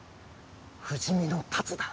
「不死身の龍」だ！